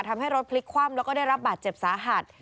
ทำให้รถพลิกคว่ำแล้วก็ได้รับบาดเจ็บสาหัส